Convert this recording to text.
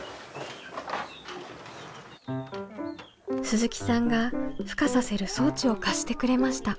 鈴木さんがふ化させる装置を貸してくれました。